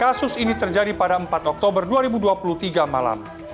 kasus ini terjadi pada empat oktober dua ribu dua puluh tiga malam